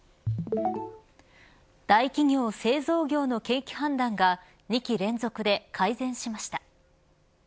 大企業・製造業の景気判断が２期連続で改善しました。